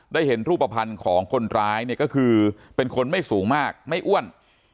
เห็นรูปภัณฑ์ของคนร้ายเนี่ยก็คือเป็นคนไม่สูงมากไม่อ้วน